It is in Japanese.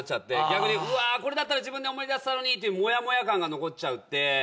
逆に「うわー。これだったら自分で思い出せたのに」ってもやもや感が残っちゃって。